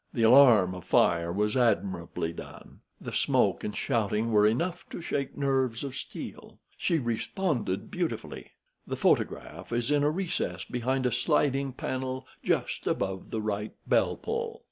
The alarm of fire was admirably done. The smoke and shouting were enough to shake nerves of steel. She responded beautifully. The photograph is in a recess behind a sliding panel just above the right bell pull.